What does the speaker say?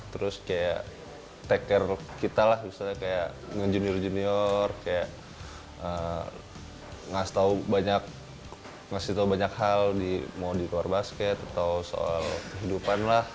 terus kayak take care kita lah misalnya kayak nge junior junior kayak ngasih tau banyak hal mau di luar basket atau soal kehidupan lah